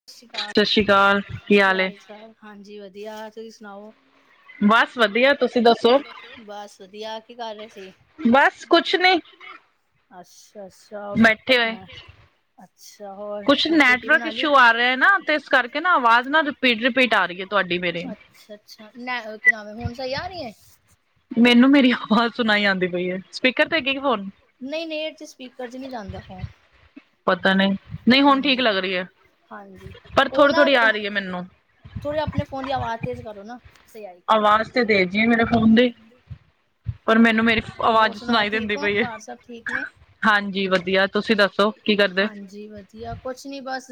ਸਤਿ ਸ਼੍ਰੀ ਅਕਾਲ ਸਤਿ ਸ਼੍ਰੀ ਅਕਾਲ ਕੀ ਹਾਲ ਚਾਲ ਹਾਂਜੀ ਵਧੀਆ ਤੁਸੀਂ ਸੁਣਾਓ ਬਸ ਵਧੀਆ ਤੁਸੀਂ ਦੱਸੋ ਬਸ ਵਧੀਆ ਕੀ ਕਰ ਰਹੇ ਸੀ ਬਸ ਕੁਛ ਨੀ ਅੱਛਾ ਅੱਛਾ ਹੋਰ ਕੁਛ ਨੈਟਵਰਕ ਇਸ਼ੂ ਆ ਰਿਹਾ ਨਾ ਤੇ ਇਸ ਕਰਕੇ ਨਾ ਆਵਾਜ਼ ਨਾ ਰਿਪੀਟ ਰਿਪੀਟ ਆ ਰਹੀ ਹੈ ਤੁਹਾਡੀ ਮੇਰੀ ਅੱਛਾ ਨ ਕੀ ਨਾਮ ਹੈ ਹੁਣ ਸਹੀ ਆ ਰਹੀ ਹੈ। ਮੈਨੂੰ ਮੇਰੀ ਆਵਾਜ਼ ਸੁਣਾਈ ਆਉਂਦੀ ਪਈ ਹੈ ਸਪੀਕਰ ਤੇ ਹੈਗੇ ਫੋਨ ਨਹੀਂ ਨਹੀਂ ਚ ਸਪੀਕਰ ਚ ਨਹੀਂ ਜਾਂਦਾ ਫੋਨ ਹਾਂਜੀ ਹਾਂਜੀ ਉਹ ਨਾ ਥੋੜੇ ਆਪਣੇ ਫੋਨ ਦੀ ਆਵਾਜ਼ ਤੇਜ਼ ਕਰੋ ਨਾ ਆਵਾਜ਼ ਤੇ ਤੇਜ਼ ਹੀ ਮੇਰੇ ਫੋਨ ਦੀ ਪਰ ਮੈਨੂੰ ਮੇਰੀ ਆਵਾਜ਼ ਸੁਣਾਈ ਦਿੰਦੀ ਪਈ ਹਾਂਜੀ, ਵਧੀਆ ਤੁਸੀਂ ਦੱਸੋ ਕੀ ਕਰਦੇ। ਵਧੀਆ ਕੁਛ ਨੀ ਬਸ,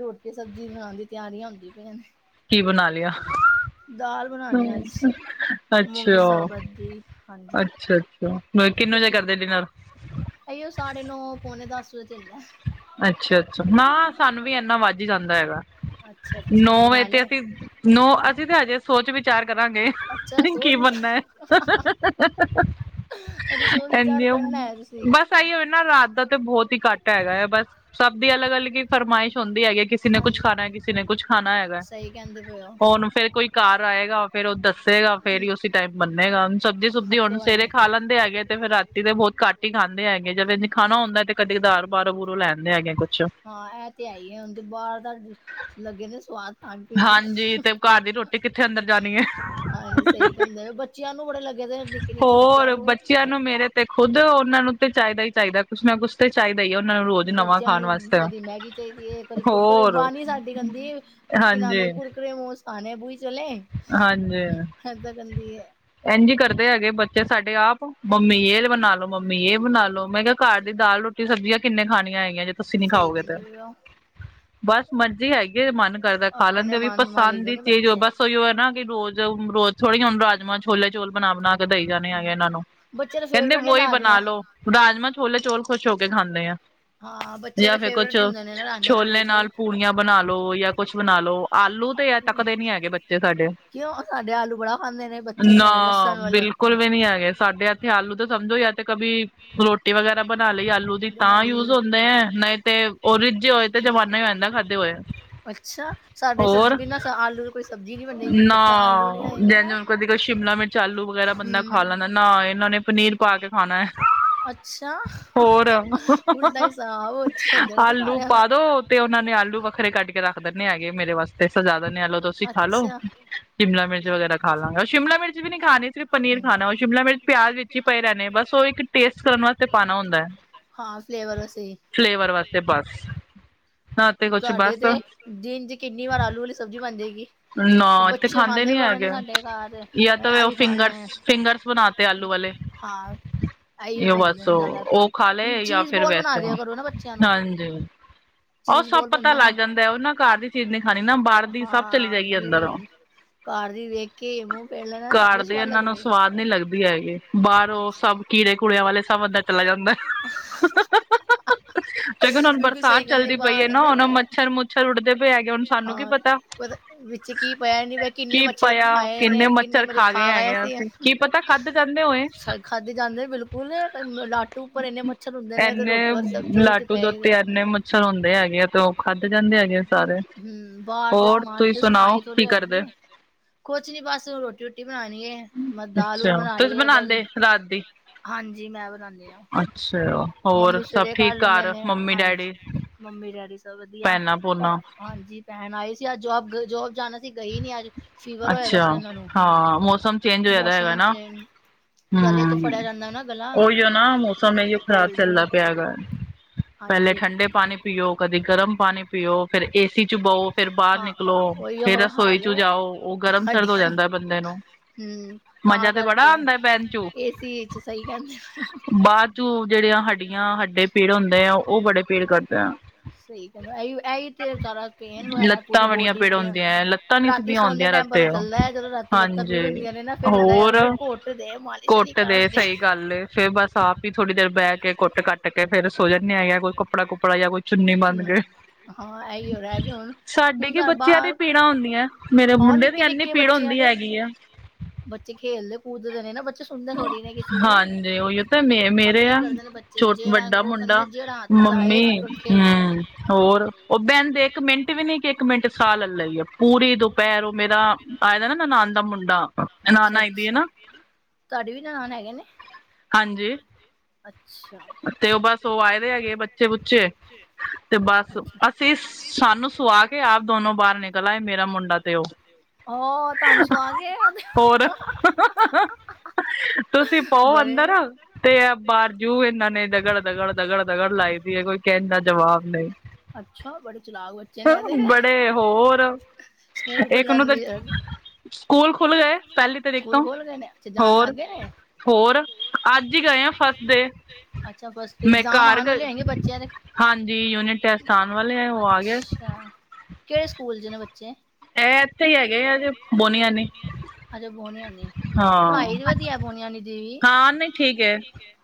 ਰੋਟੀ ਸਬਜ਼ੀ ਬਣਾਉਣ ਦੀ ਤਿਆਰੀਆਂ ਹੁੰਦੀ ਪਈਆਂ ਨੇ। ਕੀ ਬਣਾ ਲਿਆ। ਦਾਲ ਬਣਾਉਣੀ ਆ, ਅੱਜ ਮੂੰਗੀ ਸਾਬਤ ਦੀ ਹਾਂਜੀ। ਕਿੰਨੇ ਵਜੇ ਕਰਦੇ ਡਿਨਰ ਇਹ ਉਹ ਸਾਢੇ ਨੌ ਪੌਣੇ ਦਸ ਵਜੇ ਹੁੰਦਾ। ਅੱਛਾ- ਅੱਛਾ, ਨਾ ਸਾਨੂੰ ਵੀ ਇੰਨਾ ਵੱਝ ਹੀ ਜਾਂਦਾ ਹੈਗਾ। ਨੌ ਵਜੇ ਤੇ ਅਸੀਂ ਨੌ ਅਸੀਂ ਤੇ ਹਜੇ ਸੋਚ ਵਿਚਾਰ ਕਰਾਂਗੇ। ਕੀ ਬਣਨਾ ਹੈ। ਨ ਇਹਨੇ ਓ ਬੱਸ ਸਹੀ ਹੋਵੇ ਨਾ ਰਾਤ ਦਾ ਤੇ ਬਹੁਤ ਹੀ ਘੱਟ ਹੈਗਾ ਹੈ, ਬਸ ਸਭ ਦੀ ਅਲੱਗ -ਅਲੱਗ, ਹੀ ਫਰਮਾਇਸ਼ ਚਾਹੁੰਦੀ ਹੈਗੀ ਕਿਸੇ ਨੇ ਕੁੱਛ ਖਾਣਾ, ਕਿਸੇ ਨੇ ਕੁਛ ਖਾਣਾ ਹੈਗਾ। ਉਹਨੂੰ ਫੇਰ ਕੋਈ ਘਰ ਆਏਗਾ, ਫੇਰ ਉਹ ਦੱਸੇਗਾ ਫ਼ੇਰ ਹੀ ਉਸ ਟਾਈਮ ਬੰਨੇਗਾ, ਉਹਨੂੰ ਸਬਜੀ- ਸੁਬਜੀ ਹੁਣ ਸਵੇਰੇ ਖਾ ਲੈਂਦੇ ਹੈਗੇ ਤੇ ਫਿਰ ਰਾਤੀ ਦੇ ਬਹੁਤ ਘੱਟ ਹੀ ਖਾਂਦੇ, ਹੈਗੇ ਜਦ ਖਾਣਾ ਹੁੰਦਾ ਤੇ ਕਦੇ ਦਾਰ ਬਾਰੋ ਬਰੋਂ ਲੈ ਹਾਂ ਇਹ ਤੇ ਇਹ ਹੀ ਏ। ਬਾਹਰ ਦਾ ਲੱਗੇ ਨੇ ਸਵਾਦ ਖਾਣ ਪੀਂਦੇ ਹਾਂਜੀ ਸਹੀ ਕਹਿੰਦੇ, ਬੱਚਿਆਂ ਨੂੰ ਬੜੇ ਲੱਗੇ ਦੇ ਨਿੱਕੇ- ਨਿੱਕੇ ਬੱਚਿਆਂ ਨੂੰ। ਬੱਚਿਆਂ ਨੂੰ ਮੇਰੇ। ਤੇ ਖੁਦ ਉਹਨਾ ਨੂੰ ਤੇ ਚਾਹੀਦਾ ਹੀ ਚਾਹੀਦਾ ਕੁੱਛ ਨਾ ਕੁਛ ਤੇ ਚਾਹੀਦਾ ਹੀ ਉਹਨਾਂ ਨੂੰ ਰੋਜ਼ ਬੱਚਿਆਂ ਨੂੰ ਕਦੀ ਮੈਗੀ ਚਾਹੀਦੀ ਹੈ ਕਦੀ ਕੁਰਕੁਰੇ ਬਾਹਣੀ ਸਾਡੀ ਗੰਦੀ ਕੀ ਨਾਮ ਏ ਕੁਰਕਰੇ ਮੋਮੋਸ ਖਾਣੇ ਬੂ ਚਲੇ ਹੈ ਤਾ ਗੰਦੀ ਹੈ। ਜ ਸਾਡੇ ਆਪ ਮੰਮੀ ਇਹ ਬਣਾਲੋ -ਮੰਮੀ ਇਹ ਬਣਾਲੋ, ਮੈਂ ਕਿਹਾ ਘਰ ਦੀ ਦਾਲ ਰੋਟੀ ਸਬਜ਼ੀਆਂ ਕਿੰਨੇ ਖਾਣੀਆਂ ਹੈਗੀਆਂ। ਤੁੱਸੀ ਨੀ ਖਾਓਗੇ ਫੇਰ ਬਸ ਮਰਜੀ ਹੈਗੀ ਏ ਮਨ ਕਰਦਾ, ਖਾ ਲੈਣ ਦੇ ਵੀ ਪਸੰਦ ਦੀ ਚੀਜ਼ ਹੋ ਬਸ ਕਿ ਰੋਜ਼ [unintelligible] ਥੋੜ੍ਹ ਹੁਣ ਰਾਜਮਾਂ ਛੋਲੇ ਚੋਲ ਬਣਾ ਬਣਾ ਕੇ ਦਈ ਜਾਣੇ ਹੈਗੇ ਇਹਨਾਂ ਨੂੰ ਕਹਿੰਦੇ ਵੋਹੀ ਬਣਾ ਲੋ। ਰਾਜਮਾਂਹ ਛੋਲੇ ਚੋਲ ਖੁਸ਼ ਹੋ ਕੇ ਖਾਂਦੇ ਆ। ਜਾਂ ਫੇਰ ਕੁਛ ਛੋਲੇ ਨਾਲ ਪੂੜੀਆਂ ਬਣਾ ਲੋ ਜਾਂ ਕੁਛ ਬਣਾ ਲਓ‌। ਆਲੂ ਤੇ ਇਹ ਤੱਕਦੇ ਨੀ ਹੈਗੇ ਬੱਚੇ। ਸਾਡੇ ਨਾ ਬਿਲਕੁਲ ਵੀ ਨੀ ਹੈਗੇ ਸਾਡੇ। ਇਥੇ ਆਲੂ ਤਾਂ ਸਮਝੋ ਯ ਤੇ ਕਭ ਰੋਟੀ ਵਗੈਰਾ ਬਣਾ ਲਈ ਆਲੂ ਦੀ ਤਾਂ। ਯੂਜ ਹੁੰਦੇ ਹੈ ਨਹੀਂ ਤੇ ਉਹ ਰਿੱਝੇ ਹੋਏ ਤੇ ਜਮਾਨਾ ਹੀ ਰਹਿੰਦਾ ਖਾਧੇ ਹੋਏ। ਅੱਛਾ ਸਾਡੇ ਸ ਬ ਨਾ ਆਲੂ ਕੋਈ। ਨਾ ਜੇ ਹੁਨੂੰ ਕਹਦੀ ਸ਼ਿਮਲਾ -ਮਿਰਚਲੂ ਵਗੈਰਾ ਬੰਦਾ ਖਾ ਲੈਂਦਾ ਨਾ ਇਹਨਾਂ ਨੇ। ਪਨੀਰ ਪਾ ਕੇ ਖਾਣਾ ਹੈ। ਅੱਛਾ ਉਲਟਾ ਹੀ ਸਾਬ ਉਥੇ ਇੱਧਰ ਤੇ ਸਾਰਿਆਂ ਦਾ ਤੇ ਉਹਨਾਂ ਨੇ ਆਲੂ ਵੱਖਰੇ ਕੱਢ ਕੇੱਰਖ ਦਿੰਦੇ ਹ, ਹੈਗੇ ਮੇਰੇ ਵਾਸਤੇ ਸਜਾ ਦਿੰਦੇ ਹ ਆਲੋ ਤਾਂ ਤੁਸੀਂ। ਸ਼ਿਮਲਾ ਮਿਰਚ ਵਗੈਰਾ ਖਾ ਲਵਾਂਗਾ, ਉਹ ਸ਼ਿਮਲਾ ਮਿਰਚ ਵੀ ਨੀ ਖਾਣੀ ਸਿਰਫ਼ ਪਨੀਰ ਖਾਣਾ ਉਹ ਸ਼ਿਮਲਾ ਮਿਰਚ ਪਿਆਜ ਵਿੱਚ। ਵਿੱਚ ਪਏ ਰੈਣੇ ਬਸ ਉਹ ਇੱਕ ਟੇਸਟ ਕਰਨ ਵਾਸਤੇ ਪਾਣਾ ਹੁੰਦਾ ਹੈ। ਫਲੇਵਰ ਵਾਸਤੇ ਬਸ। ਤੁਹਾਡੇ ਤੇ ਦਿਨ ਚ ਕਿੰਨੀ ਵਾਰ ਆਲੂ ਵਾਲੀ ਸਬਜ਼ੀ ਬਣਜੇਗੀ। ਬੱਚੇ ਖਾਂਦੇ ਬੜੇ ਨੇ ਸਾਡੇ ਘਰ ਇਹ ਵੀ ਖਾਣਾ। ਫਿੰਗਰ ਬਣਾਦੇ ਆਲੂ ਹਾਂ। ਆਈਓ ਬੰਦੇ ਨੇ ਜ਼ਿਆਦਾ ਘ ਚੀਜ਼ ਬੋਲ ਬਣਾ ਦਿਆ ਕਰੋ ਨਾ ਬੱਚਿਆਂ ਨੂੰ। [unintelligible] ਉਹ ਸਭ ਪਤਾ ਲੱਗ ਜਾਂਦਾ, ਉਹ ਨਾ ਘਰ ਦੀ ਚੀਜ਼ ਨਹੀਂ ਖਾਣੀ ਨਾ ਬਾਰ ਦੀ ਸਭ ਚਲੀ ਜਾਏਗੀ ਅੰਦਰੋਂ। ਘਾਰਦੇ ਇਹਨਾਂ ਨੂੰ ਸਵਾਦ ਨੀ ਲੱਗਦੀ, ਹੈਗੀ ਬਾਰੋਂ ਸਭ। ਕੀੜੇ ਕੂੜਿਆਂ ਵਾਲੇ ਸਭ ਅੰਦਰ ਚਲਾ ਜਾਂਦਾ, ਲੇਕਿ ਨ ਹੁਣ ਬਰਸਾਤ ਚੱਲਦੀ। ਪਈਏ ਨਾ ਹੁਨ ਮੱਛਰ ਮੁੱਛਰ ਉਡਦੇ ਪਏ ਹੈਗੇ ਹੁਣ ਸਾਨੂੰ ਕੀ ਪਤਾ- ਵਿਚ ਕੀ ਪਇਆ ਨੀ ਬ- ਕਿਨੇ ਮੱਛਰ ਖਾਏ ਨੇ ਕਿਨੇ ਮੇਖਾ ਗਏ ਸੀ ਖਾਧੇ ਜਾਦੇ ਨੇ ਬਿਲਕੁਲ- ਫੁਲ ਲਾਟੂ ਉਪਰ ਇੰਨੇ ਮੱਛਰ ਹੁੰਦੇ ਨੇ ਤੇ ਰੋਟੀ ਵਾਲੇ ਸਬਜ਼ੀ ਪੈ- ਮਛਰ ਹੁੰਦੇ ਹੈਗੇ ਆ ਤੇ ਉਹ ਖਾਧੇ ਜਾਦੇ ਹੈਗੇ ਸਾਰੇ- ਹੂੰ ਬਾਰ ਦੇ ਸਮਾਨ 'ਚ ਸਫ਼ਾਈ ਥੋੜ੍ਹੀ ਹੈਗੀ ਆ। ਕੁਛ ਨੀ ਬਸ ਰੋਟੀ ਰੋਟੀ ਬਣਾਣੀ ਏ ਦਾਲ ਉਣ ਨਾ ਬਣਾ ਲਈਏ ਬਸ- ਹਾਂਜੀ ਮੈ ਬਣਾਦੀ ਹਾਂ ਮੰਮੀ ਸਵੇਰੇ ਕਰ ਲੈਂਦੇ ਨੇ ਹਜੀ- ਮੰਮੀ ਡੈਡੀ ਸਭ ਵਧੀਆ ਹਾਂਜੀ- ਭੈਣ ਆਏ ਸੀ ਅਜ ਜੋਬ ਜੋਬ ਜਾਣਾ ਸੀ ਗਈ ਨੀ ਅਜ- ਫੀਵਰ ਹੋਏ ਦਾ ਸੀ ਉਹਨਾਂ ਨੂੰ ਮੌਸਮ 'ਚ- ਗਲੇ ਤੋਂ ਫੜਿਆ ਜਾਦਾ ਨਾ ਗਲਾਲ- ਹਾਂਜੀ ਪੈਲੇ ਠੰਡੇ- ਪਾਣੀ ਪੀਓ ਕਦੇ ਗਰਮ ਪਾਣੀ ਪੀਓ ਫਿਰ ਏਸੀ 'ਚ ਬਉ ਓਹੀ ਉਹ ਹਾਲ ਜਾਓ- ਸਾਡੀ- ਤਾਂ ਕਰਕੇ ਏਸੀ ਵਿਚ ਸਹੀ ਕੈਂਦੇ ਪਿਓ- ਬਾਅਦ ਚ ਜਿਹੜੀਆਂ ਹੱਡੀਆ ਹਡੇ ਪੇੜ ਹੁੰਦੇ ਆ ਉਹ ਬੜੇ ਪੇੜ ਕਰਦੇ ਆ- ਸਹੀ ਕੈਂਦਾ ਇਹੀ ਤੇ ਸਾਰਾ ਪੇਨ ਵਗੈਰਾ ਪੂਰੀ ਬੋਡੀ- ਲੱਤਾ ਨਹੀ ਸਿੱਧੀਆ ਹੁੰਦੀਆ- ਹਾਂਜੀ ਹੋਰ ਕੁਟ ਦੇ ਸਹੀ ਗੱਲ ਏ- ਫੇਰ ਬਸ ਆਪ ਹੀ ਥੋੜ੍ਹੀ ਦੇਰ ਬੈ ਕੇ ਕੁੱਟ ਕੱਟ ਕੇ ਫੇਰ ਸੋ ਜਾਦੇ ਯਾ ਕੋਈ ਕਪੜਾ ਕੁਪੜਾ ਜਾਂ ਕੋਈ- ਹਾ ਐਈਓ ਰੈ ਗਿਆ ਹੁਣ ਅੰਦਰ- ਬਾਹਰ- ਹਾਂ ਨਿਕੇ- ਨਿਕੇ ਬੱਚਿਆਂ ਦੇ ਬੱਚੇ ਖੇਲਦੇ ਕੂਦਦੇ ਨੇ ਨਾ ਬੱਚੇ ਸੁਣਦੇ ਥ- ਹਾਂਜੀ, ਉਹੀਓ ਤਾਂ ਮੇ ਮੇਰੇ ਆ, ਛੋ ਵਡਾ ਮੁੰਡਾ ਮੰਮੀ ਹੂੰ, ਹੋਰ, ਉਹ ਬਹਿੰਦੇ ਇਕ ਮਿੰਟ ਵੀ ਨੀ, ਕਿ ਇਕ ਮਿੰਟ ਸਾਹ ਲੈਲਈ ਓ ਪੂਰੀ ਦੁਪਹਿਰ ਉਹ ਮੇਰਾ, ਆਏ ਦਾ ਨਾ ਨਨਾਨ ਦਾ ਮੁੰਡਾ, ਨਨਾਨ ਆਈਦੀ ਐ, ਨਾ ਤੁਹਾਡੇ ਵੀ ਨਨਾਨ ਹੈਗੇ ਨੇ? ਹਾਂਜੀ, ਤੇ ਉਹ ਬਸ ਉਹ ਆਏ ਦੇ ਹੈਗੇ ਬੱਚੇ-ਬੁੱਚੇ ਜੀ। ਤੇ ਬਸ, ਅਸੀ ਸਾਨੂੰ ਸੁਵਾਕੇ ਆਪ ਦੋਨੋ ਬਾਹਰ ਨਿਕਲ ਆਏ ਮੇਰਾ ਮੁੰਡਾ ਤੇ ਉਹ ਓ ਤੁਹਾਨੂੰ ਸੁਵਾਕੇ, ਆ ਹਾ ਆ ਹਾ- ਤੁਸੀ ਪੋ ਅੰਦਰ ਤੇ ਬਾਰ ਜੋ ਇਹਨਾ ਨੇ ਦਗੜ-ਦਗੜ-ਦਗੜ-ਦਗੜ ਲਾਈਦੀ ਏ, ਕੋਈ ਕਹਿਣ ਦਾ ਜਵਾਬ ਨਹੀ। ਅਛਾ, ਬੜੇ ਚਲਾਕ ਬੜੇ ਹੋਰ, ਇਕ ਨੂੰ ਤਾਂ ਸਕੂਲ ਖੁੱਲ ਗਏ ਪਹਿਲੀ ਤਰੀਕ ਤੋਂ, ਹੋਰ ਹੋਰ ਅੱਜ ਹੀ ਗਏ ਆਂ ਫਤ ਡੇ- ਅਛਾ ਬਸ ਤੇ ਇਗਜ਼ਾਮ ਆਣ ਵਾਲੇ ਹੈਗੇ, ਬੱਚਿਆ ਦੇ। ਹਾਂਜੀ, ਯੂਨਿਟ ਟੈਸਟ ਆਣ ਵਾਲੇ ਹੈ, ਉਹ ਆਗਿਆ। ਅਛਾ, ਕਿਹੜੇ ਸਕੂਲ'ਚ ਨੇ ਬੱਚੇ? ਇਹ, ਇਥੇ ਹੀ ਹੈਗੇ ਆ ਜੇ ਬੋਨੀਆਨੇ। ਅੱਛਾ, ਬੋਨੀਆਂਨੀ, ਪੜ੍ਹਾਈ ਤਾ ਵਧੀਆ ਬੋਨੀਆਨੀ ਦੀਵੀ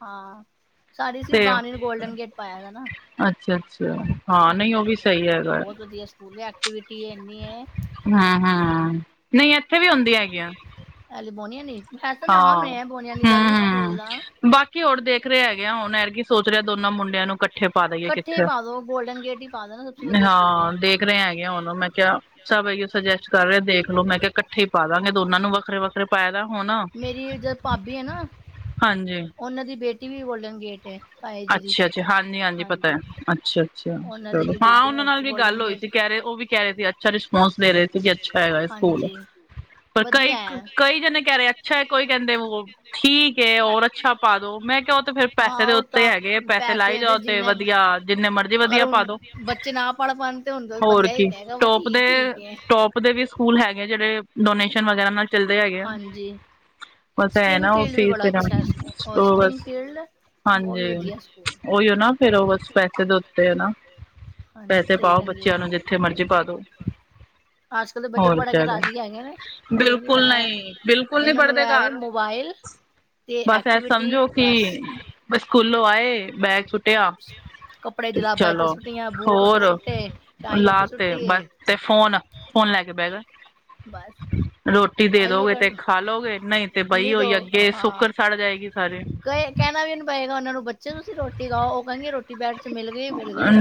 ਹਾਂ, ਸਾਡੀ ਸਿਰਫ ਬਾਣੀ ਨੂੰ ਗੋਲਡਨ ਗੇਟ ਪਾਇਆ ਦਾ ਨਾ। ਅਛਾ-ਅਛਾ। ਹਾਂਜੀ, ਬਹੁਤ ਵਧੀਆ ਸਕੂਲ ਏ, ਐਕਟੀਵਿਟੀ ਇੰਨੀ ਏ ਹਾਂ-ਹਾਂ, ਨਹੀ ਇਥੇ ਵੀ ਹੁੰਦੀ ਹੈਗੀਆ। ਐਲ ਬੋਨੀਆਨੇ- ਹਾਂ, ਹੂੰ-ਹੂੰ, ਬਾਕੀ ਹੋਰ ਦੇਖ ਰਹੇ ਹੈਗੇ ਆਂ, ਹੁਣ ਐਰ ਕੀ ਸੋਚ ਰੇਂ ਆ ਦੋਨਾ ਮੁੰਡਿਆਂ ਨੂੰ, ਕੱਠੇ ਪਾ ਦਈਏ ਕਿਥੇ ਹਾਂ, ਦੇਖ ਰਹੇ ਹੈਗੇ ਆਂ, ਹੁਨ ''ਮੈਂ ਕਿਹਾ ਸਭ ਇਹੀਓ ਸੁਜੈਸਟ ਕਰ ਰੇ ਆ, ਦੇਖਲੋ ਮੈਂ ਕਿਹਾ ਕੱਠੇ ਹੀ ਪਾਦਾਂਗੇ ਦੋਨਾਂ ਨੂੰ, ਵੱਖਰੇ-ਵੱਖਰੇ ਪਾਇਦਾ ਹੋਣ ਮੇਰੀ ਜੋ ਭਾਬੀ ਏ ਨਾ, ਉਹਨਾਂ ਦੀ ਬੇਟੀ ਵੀ‌ ਗੋਲਡਨ ਗੇਟ ਏ। ਅੱਛਾ-ਅੱਛਾ, ਹਾਂਜੀ-ਹਾਂਜੀ ਪਤੈ ਅੱਛਾ। ਅੱਛਾ, ਚਲੋ, ਹਾਂ ਉਹਨਾਂ ਨਾਲ ਵੀ ਗੱਲ ਹੋਈ ਸੀ ਕਹਿ ਰਹੇ, ਉਹ ਵੀ ਕਹਿ ਰਹੇ ਸੀ ਅੱਛਾ ਰਿਸਪੋਂਸ ਦੇ ਰਹੇ ਕੀ ਅੱਛਾ ਹੈਗਾ ਏ, ਸਕੂਲ। ਪਰ ਕਈ, ਕਈ ਜਣੇ ਕਹਿ ਰਹੇ ਅੱਛਾ‌ ਐ, ਕੋਈ ਕਹਿੰਦੇ ਓ, ਠੀਕ ਹੈ ਔਰ ਅੱਛਾ ਪਾਦੋ, ਮੈਂ ਕਿਹਾ ਓ ਤੇ ਫੇਰ ਪੈਸੇ ਦੇ ਉੱਤੇ ਹੈਗੇ, ਪੈਸੇ ਲਾਈ ਜਾਓ ਤੇ ਵਧੀਆ ਜਿੰਨੇ ਮਰਜ਼ੀ ਅਗਰ ਹੁਣ, ਬੱਚੇ ਨਾ ਪੜ ਪਾਣ ਤੇ ਹੁਣ ਬੰਦਾ ਐਈ ਕਹਿਗਾ ਵਾ, ਠੀਕ-ਠੀਕ ਐ। ਉਹਦੇ ਵੀ ਸਕੂਲ ਹੈਗੇ ਆ, ਜਿਹੜੇ ਡੋਨੇਸ਼ਨ ਵਗੈਰਾ ਨਾਲ ਚੱਲਦੇ ਹੈਗੇ ਆ। ਸ੍ਪਰਿੰਗ ਫੀਲਡ ਵੀ ਬੜਾ ਅੱਛਾ, ਓ ਸ੍ਪਰਿੰਗ ਫੀਲਡ ਉਹ ਵੀ ਵਧੀਆ ਸਕੂਲ। ਹਾਂਜੀ, ਸਹੀ ਕਹਿੰਦੇ। ਆਜ-ਕਲ ਦੇ ਬੱਚੇ ਪੜਕੇ ਰਾਜ਼ੀ ਹੈਗੇ ਨੇ ਬਿਲਕੁਲ ਨਹੀਂ, ਬਿਲਕੁਲ ਨਹੀਂ ਪੜਦੇ ਘਰ। ਬਸ ਐ ਸਮਝੋ ਕਿ ਬ ਸਕੂਲੋਂ ਆਏ, ਬੈਗ ਸੁੱਟਿਆ ਤੇ ਚਲੋ, ਹੋਰ ਲਾਤੇ ਬਸ, ਤੇ ਫੋਨ, ਫੋਨ ਲੈਕੇ ਬਹਿ ਗਏ। ਬਸ ਰੋਟੀ ਦੇ ਦੋਗੇ ਤੇ ਖਾਲੋਗੇ ਨਹੀਂ ਤੇ ਪਈ ਹੋਈ ਅੱਗੇ ਸੁੱਕਰ ਸੜ ਜਾਏਗੀ ਸਾਰੇ ਕਹਿਣਾ ਵੀ ਨਹੀਂ ਪਏਗਾ ਉਹਨਾਂ ਨੂੰ ਬੱਚੇ ਤੁਸੀਂ ਰੋਟੀ ਖਾਓ ਉਹ ਕਹਿੰਗੇ ਰੋ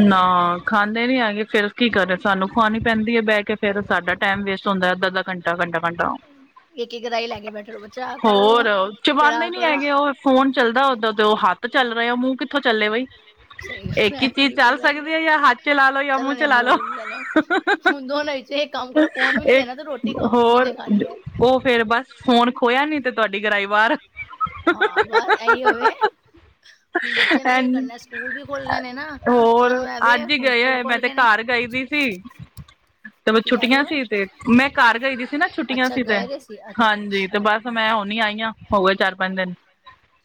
ਨਾ ਖਾਂਦੇ ਨੀ ਆ ਗਏ ਫਿਰ ਕੀ ਕਰੇ ਸਾਨੂੰ ਖਵਾਣੀ ਪੈਂਦੀ ਹੈ ਬਹਿ ਕੇ ਫਿਰ ਸਾਡਾ ਟਾਈਮ ਵੇਸਟ ਹਦਾ ਅੱਧ ਅੱਧ ਘੰਟੇ [unintelligible] ਘੰਟਾ ਘੰਟਾ ਆਓ ਕੀ ਕਦਾਈ ਲੈ ਕੇ ਬੈਠੇ ਰਹੋ ਹੋਰ ਚਬਾਦੇ ਨੀ ਹੈਗੇ ਉਹ ਫੋਨ ਚੱਲਦਾ ਉਦਾਂ ਤੇ ਉਹ ਹੱਥ ਚੱਲ ਰਹੇ ਮੂੰਹ ਕਿੱਥੋਂ ਚੱਲੇ ਬਈ ਸਹੀ ਗੱਲ ਹੈ [unintelligible] ਹੁਣ ਦੋਨਾਂ ਵਿੱਚ ਇੱਕ ਕੰਮ ਕਰੋ ਫੋਨ ਵੀ ਨੀ ਦੇਣਾ ਤੇ ਰੋਟੀ ਖਾਓ ਹੋ ਉਹ ਫਿਰ ਬਸ ਫੋਨ ਖੋਇਆ ਨੀ ਤੇ ਤੁਹਾਡੀ ਗਰਾਈ ਬਾਹਰ ਹਾਂ ਬਸ ਇਹੀ ਹੋਵੇ ਹੁਣ ਬੱਚਿਆਂ ਨੇ ਕਰਨਾ ਸਕੂਲ ਵੀ ਖੁੱਲ ਗਏ ਨੇ ਨਾ ਉਹਨਾਂ ਨੂੰ ਐਵੇ ਹੁਣ ਸਕੂਲ ਖੁੱਲ ਗਏ ਨੇ ਚਾਹੀਦੀ ਸੀ। ਤੇ ਛੁੱਟੀਆਂ ਸੀ ਤੇ ਮੈਂ ਘਰ ਗਈ ਦੀ ਸੀ ਨਾ ਛੁੱਟੀਆਂ ਸੀ ਤੇ ਹਾਂਜੀ ਤੇ ਬਸ ਮੈਂ ਉਹ ਨੀ ਆਈ ਹਾਂ ਹੋ ਗਏ ਚਾਰ ਪੰਜ ਦਿਨ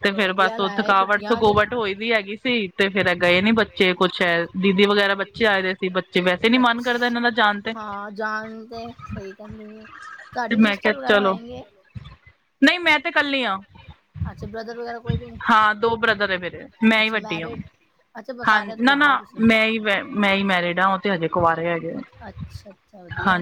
ਤੇ ਫਿਰ ਬਸ ਉਹ ਥਕਾਵਟ ਥਕਾਵਟ ਹੋਈ ਦੀ ਹੈਗੀ ਸੀ ਤੇ ਫਿਰ ਗਏ ਨੀ ਬੱਚੇ ਕੁੱਛ ਹੈ ਦੀਦੀ ਵਗੈਰਾ ਬੱਚੇ ਆਏ ਦੇ ਸੀ ਬੱਚੇ ਵੈਸੇ ਨੀ ਮਨ ਕਰਦਾ ਇਹਨਾਂ ਦਾ ਹਾਂ ਜਾਣ ਤੇ ਸਹੀ ਕਹਿੰਦੇ ਤੁਹਾਡੇ ਵੀ ਸਿਸਟਰ ਵਗੈਰਾ ਹੋਏਗੇ ਨਹੀਂ ਮੈਂ ਤੇ ਕੱਲ ਹੀ ਹਾਂ ਹਾਂ ਦੋ ਬ੍ਰਦਰ ਹੈ ਮੇਰੇ ਮੈਂ ਹੀ ਵੱ ਵੱਡੀ ਹਾਂ ਨਾ ਨਾ ਮੈਂ ਹੀ ਮੈਂ ਹੀ ਮੈਰਿਡ ਹਾਂ ਉਹ ਤੇ ਹਜੇ ਕੁਆਰੇ ਹੈਗੇ ਆ ਅੱਛਾ ਅੱਛਾ ਵਧੀਆ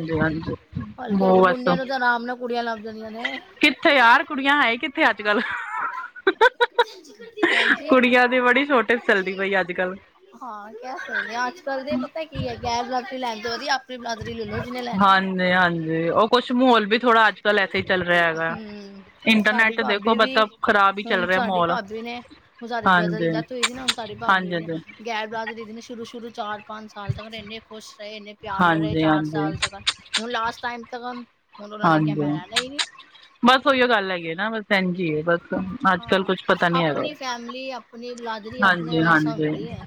ਹਲਕੇ ਹਲਕੇ ਮੁੰਡਿਆਂ ਨੂੰ ਤਾਂ ਆਰਾਮ ਨਾਲ ਕੁੜੀਆਂ ਲੱਭ ਜਾਂਦੀਆਂ ਨੇ ਕਿੱਥੇ ਯਾਰ ਕੁੜੀਆਂ ਹੈ ਕਿੱਥੇ ਅੱਜ ਕੱਲ [unintelligible] ਹਾਂਜੀ ਕੁੜੀਆਂ ਸਰਦੀ ਪਈ ਅੱਜ ਕੱਲ ਹਾਂ ਕਹਿ ਸਕਦੇ ਹਾਂ ਅੱਜ ਕੱਲ ਦੇ ਪਤਾ ਕੀ ਹੈ। [unintelligible] ਬਲਾਦਰੀ ਲੈ ਲਓ ਜਿਹਨੇ ਲੈਣੇ ਆ [unintelligible] ਹੂੰ ਸਾਡੀ ਭਾਬੀ ਵੀ ਹੁਣ ਸਾਡੀ ਭਾਬੀ ਨੇ ਹੁਣ ਸਾਰੇ ਬ੍ਰਦਰ ਦੀ ਡੈਥ ਹੋਈ ਸੀ ਨਾ ਹੁਣ ਸਾਡੀ ਭਾਬੀ ਦੀ ਗੈਰ ਬਰਾਦਰੀ ਦੀ ਨੇ ਸ਼ੁਰੂ ਸ਼ੁਰੂ ਚਾਰ ਪੰਜ ਸਾਲ ਤੱਕ ਇੰਨੇ ਖੁਸ਼ ਰਹੇ ਇੰਨੇ ਧਿਆਨ ਨਾਲ ਰਹੇ ਚਾਰ ਸਾਲ ਤਕ ਹੁਣ ਲਾਸਟ ਟਾਈਮ ਤੱਕ ਹੁਣ ਉਹਨਾਂ ਨੇ ਕਿਹਾ ਮੈਂ ਰਹਿਣਾ ਹੀ ਨੀ ਹਾਂ ਆਪਣੀ ਫੈਮਲੀ ਆਪਣੀ ਬਲਾਦਰੀ ਆਪਣੇ ਵੈਸਾ ਹੁੰਦੀ ਹੈ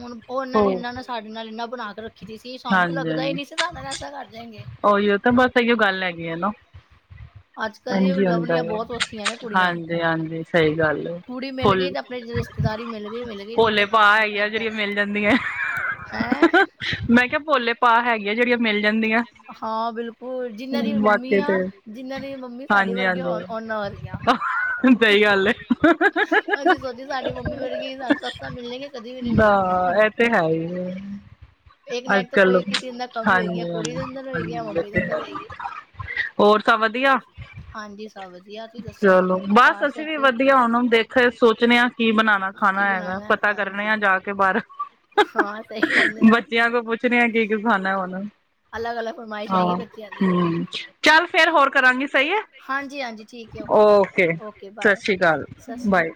ਹੁਣ ਉਹ ਇਹਨਾਂ ਨਾਲ ਸਾਡੇ ਇਨਾ ਇਨਾ ਬਣਾ ਕੇ ਰੱਖ ਖਿੱਜੀ ਸੀ ਸਾਨੂੰ ਤਾਂ ਲੱਗਦਾ ਹੀ ਨਹੀਂ ਸੀ ਸਾਡਾ ਫੈਸਲਾ ਕਰ ਜਾਣਗੇ [unintelligible] ਅੱਜ- ਕੱਲ ਦੀ ਲਬਨੀਆਂ ਬਹੁਤ ਔਖੀਆਂ ਨੇ ਕੁੜੀਆਂ ਹਾਂਜੀ ਹਾਂਜੀ ਸਹੀ ਗੱਲ ਹੈ ਕੁੜੀ ਮਿਲ ਗਈ ਤੇ ਆਪਣੇ ਰਿਸ਼ ਰਿਸ਼ਤੇਦਾਰੀ ਮਿਲ ਗਈ- ਮਿਲ ਗਈ ਨੀ ਤੇ ਨਾ ਸਹੀ ਇਧਰ ਹੈ ਹੈ। ਮੈਂ ਕਿਹਾ ਪੋਲੇ ਪਾ ਹੈ ਜਿਹੜੀਆਂ ਮਿਲ ਜਾਂਦੀਆਂ। ਹਾਂ ਬਿਲਕੁਲ ਜਿਨਾਂ ਦੀ ਮੰਮੀਆ ਜਿਨਾ ਦੀ ਮੰਮੀ ਸਾਡੇ ਵਰਗੀਆਂ ਹੋਣ ਉਹਨਾਂ ਵਰਗੀਆਂ। ਸਹੀ ਗੱਲ ਏ। ਅਸੀਂ ਸੋਚਿਆ ਸਾਡੀ ਮੰਮੀ ਵਰਗੀ ਸਾਨੂੰ ਸਸਾਂ ਮਿਲੇਗੀ ਕਦੀ ਵੀ ਨੀ ਮਿਲੇਗੀਆਂ। [unintelligible] ਮੈਂ ਕਿਹਾ ਕੋਈ ਕਿਸੇ ਦਾ ਕੰਮੀਆਂ ਹੋ ਗਈਆਂ ਕੁੜੀ ਦੇ ਅੰਦਰ ਹੋਏਗੀ ਜਾ ਮੰਮੀ ਦੇ ਅੰਦਰ ਹੋਏਗੀ ਹੋਰ ਸਭ ਵਧੀਆ ਹਾਂਜੀ ਸਭ ਵਧੀਆ ਤੁਸੀਂ ਦੱਸੋ ਘਰ ਸਭ ਠੀਕ। [unintelligible] ਵਧੀਆ ਫਿਰ ਸੋਚਣੇ ਆ ਕੀ ਬਣਾਣਾ। ਖਾਣਾ ਹੈਗਾ ਪਤਾ ਕਰਨੇ ਆ ਜਾ ਕੇ ਬਾਹਰ ਬਟ ਬੱਚਿਆਂ ਤੋਂ ਪੁੱਛਦੇ ਆਂ ਕੀ -ਕੀ ਖਾਨਾ ਹੁਣ। ਹਾਂ ਹੂੰ ਚੱਲ ਫਿਰ ਹੋਰ ਕਰਾਂਗੇ ਸਹੀ ਏ। ਓਕੇ ਸਾਸੀ ਕਾਲ ਬਾਏ।